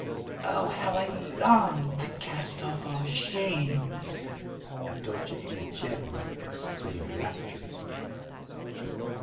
"Oh, how I long to cast off all shame!" Avdotya Ignatyevna exclaimed rapturously.